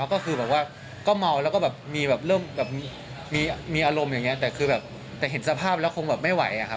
ก็คือแบบว่าก็เมาแล้วก็แบบมีแบบเริ่มแบบมีอารมณ์อย่างเงี้แต่คือแบบแต่เห็นสภาพแล้วคงแบบไม่ไหวอะครับ